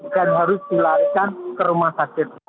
harus dilarikan ke rumah sakit